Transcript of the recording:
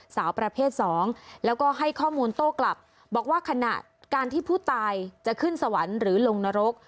สาวประเภทสองแล้วก็ให้ข้อมูลโต้กลับบอกว่าขณะการที่ผู้ตายจะขึ้นสวรรค์หรือลงนรก